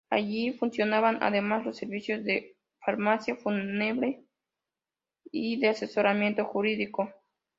Allí funcionaban además los servicios de farmacia, fúnebre y de asesoramiento jurídico.